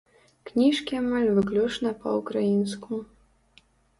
Кніжкі амаль выключна па-украінску.